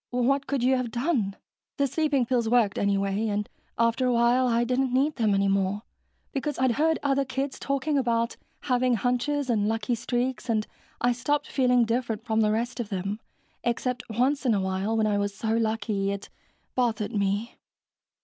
"What could you have done? The sleeping pills worked, anyway, and after a while I didn't need them any more, because I'd heard other kids talking about having hunches and lucky streaks and I stopped feeling different from the rest of them, except once in a while, when I was so lucky it ... bothered me."